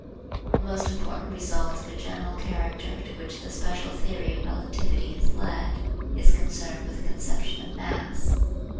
The most important result of a general character to which the special theory of relativity has led is concerned with the conception of mass.